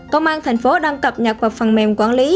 công an tp đang cập nhật vào phần mềm quản lý